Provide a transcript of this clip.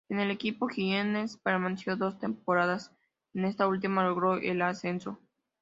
En el equipo jiennense permaneció dos temporadas, en esta última logró el ascenso.